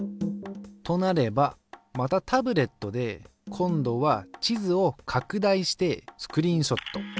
となればまたタブレットで今度は地図を拡大してスクリーンショット。